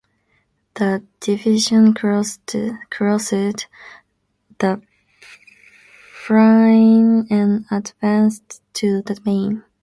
The division crossed the Rhine and advanced to the Main.